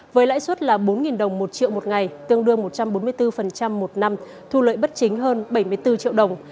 với lãi suất là bốn đồng một triệu một ngày tương đương một trăm bốn mươi bốn một năm thu lợi bất chính hơn bảy mươi bốn triệu đồng